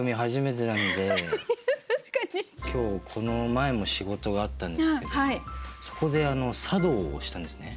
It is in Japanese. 今日この前も仕事があったんですけどもそこで茶道をしたんですね。